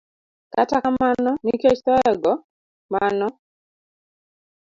Kata kamano, nikech thoye go, mano